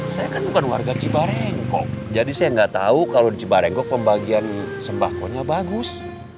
saya kan bukan warga cibareng kok jadi saya nggak tahu kalau di cibarengkok pembagian sembakonya bagus